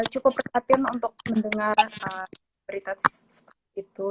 cukup perhatian untuk mendengar berita seperti itu